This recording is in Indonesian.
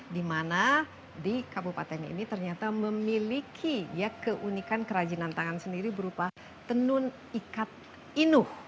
di mana di kabupaten ini ternyata memiliki keunikan kerajinan tangan sendiri berupa tenun ikat inuh